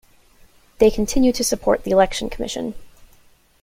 They continue to support the election commission.